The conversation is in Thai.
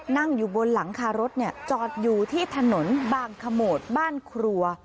นั่งอยู่บนหลังคารถจอดอยู่ที่ถนนบางขโมดบ้านครัว